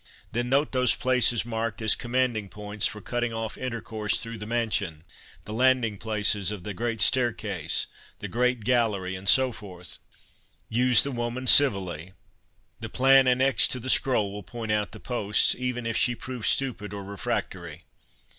Then note those places marked as commanding points for cutting off intercourse through the mansion—the landing places of the great staircase, the great gallery, and so forth. Use the woman civilly. The plan annexed to the scroll will point out the posts, even if she prove stupid or refractory.